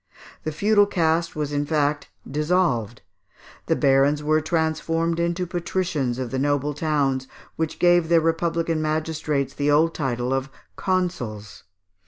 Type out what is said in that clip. The feudal caste was in fact dissolved; the barons were transformed into patricians of the noble towns which gave their republican magistrates the old title of consuls.